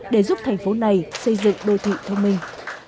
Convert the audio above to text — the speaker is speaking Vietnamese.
để giúp thành phố này xây dựng đô thị thông minh